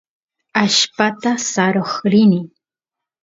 allpata saroq rini